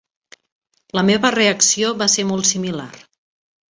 La meva reacció va ser molt similar.